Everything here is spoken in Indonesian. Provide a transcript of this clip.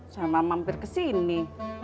sama mampir ke sini